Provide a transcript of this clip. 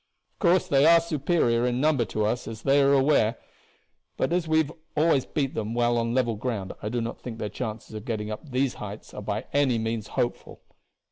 Of course they are superior in number to us, as they always are; but as we have always beat them well on level ground I do not think their chances of getting up these heights are by any means hopeful.